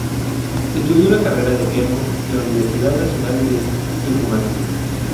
Estudió la carrera de Piano en la Universidad Nacional de Tucumán.